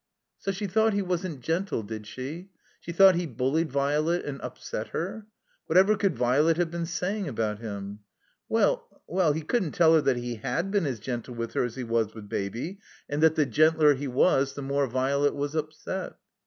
So she thought he wasn't gentle, did she? She thought he bullied Violet and upset her? Whatever cotdd Violet have been saying about him? WeU — well — he couldn't tell her that he had been as gentle with her as he was with Baby, and that the gentler he was the more Violet was upset.